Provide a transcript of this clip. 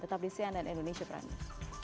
tetap di cnn indonesia pranjur